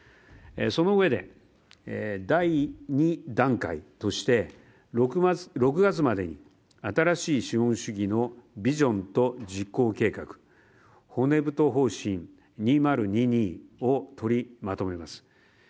そのうえで、第２段階として６月までに新しい資本主義のビジョンと実行計画骨太方針２０２２を取りまとめます。